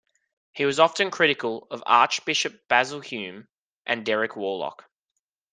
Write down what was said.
He was often critical of Archbishops Basil Hume and Derek Worlock.